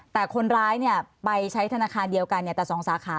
แต่คนร้ายไปใช้ธนาคารเดียวกันแต่๒สาขา